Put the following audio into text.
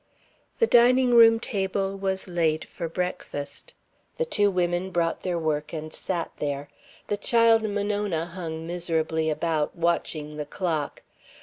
The dining room table was laid for breakfast. The two women brought their work and sat there. The child Monona hung miserably about, watching the clock.